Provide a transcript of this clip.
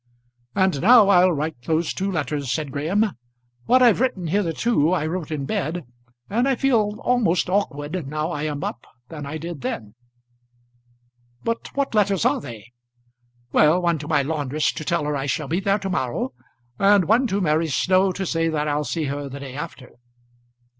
"And now I'll write those two letters," said Graham. "What I've written hitherto I wrote in bed, and I feel almost more awkward now I am up than I did then." "But what letters are they?" "Well, one to my laundress to tell her I shall be there to morrow, and one to Mary Snow to say that I'll see her the day after."